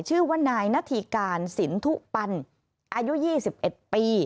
ชื่อว่านายนาธิการสินทุปันอายุ๒๑ปี